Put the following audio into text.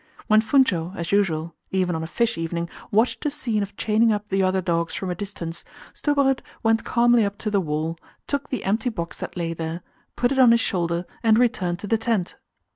When Funcho, as usual even on a fish evening watched the scene of chaining up the other dogs from a distance, Stubberud went calmly up to the wall, took the empty box that lay there, put it on his shoulder, and returned to the tent.